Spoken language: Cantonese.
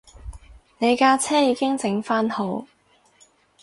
你架車已經整番好